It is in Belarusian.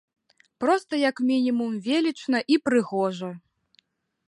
Проста як мінімум велічна і прыгожа.